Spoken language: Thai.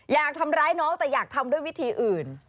อยากทำร้ายน้องแต่อยากทำด้วยวิธีอื่น